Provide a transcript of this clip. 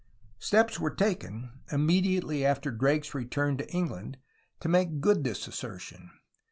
Steps were taken, immediately after Drake's return to Eng land, to make good this assertion.